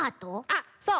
あっそう。